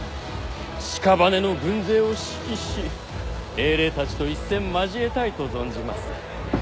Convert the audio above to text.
しかばねの軍勢を指揮し英霊たちと一戦交えたいと存じます。